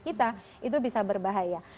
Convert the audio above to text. kita itu bisa berbahaya